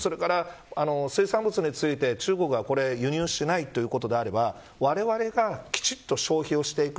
水産物について、中国は輸入しないということであればわれわれがきちんと消費していく。